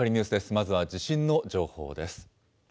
まずは地震の情報です。